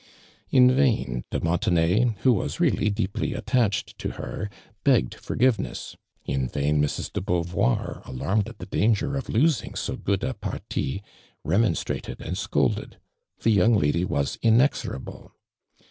In vain, de Jlontenay, who was really deeply attached to her, b(>gged forgiveness — in vain Jlrs. de Beauvoir, alarmed at the danger of losing so good a parti, remonstrat ed and scolded : the yoimg lady was inexo rable.